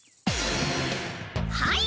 はい。